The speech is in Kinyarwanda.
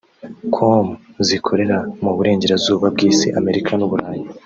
com zikorera mu burengerazuba bw’Isi (Amerika n’Uburayi)